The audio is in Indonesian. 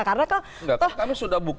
tidak kami sudah buktikan